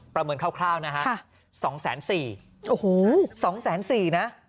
ประเมินคร่าวนะฮะ๒แสน๔โอ้โห๒แสน๔นะ